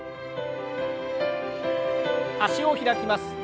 脚を開きます。